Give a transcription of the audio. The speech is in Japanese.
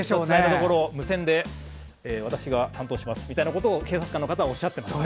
無線で私が担当しますみたいなことを警察官の方がおっしゃってました。